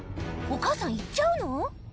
お母さん行っちゃうの？